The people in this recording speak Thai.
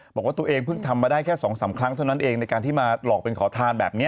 บอกว่าตัวเองเพิ่งทำมาได้แค่๒๓ครั้งเท่านั้นเองในการที่มาหลอกเป็นขอทานแบบนี้